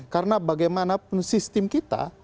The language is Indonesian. karena bagaimanapun sistem kita